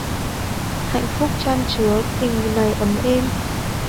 Hạnh phúc chan chứa tình này ấm êm.